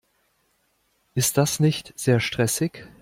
Ist das nicht sehr stressig?